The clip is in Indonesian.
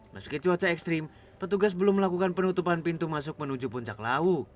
meski cuaca ekstrim petugas belum melakukan penutupan pintu masuk menuju puncak lawu